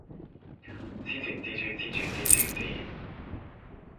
癡線蜘蛛痴住支樹枝